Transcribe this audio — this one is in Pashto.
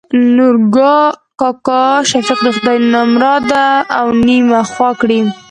نورګا کاکا : شفيق د خداى نمراد او نيمه خوا کړي.